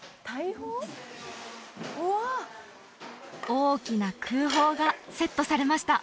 大きな空砲がセットされました